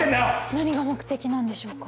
何が目的なんでしょうか？